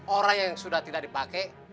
orang yang sudah tidak dipakai